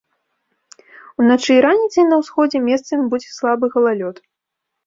Уначы і раніцай на ўсходзе месцамі будзе слабы галалёд.